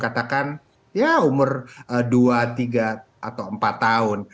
katakan ya umur dua tiga atau empat tahun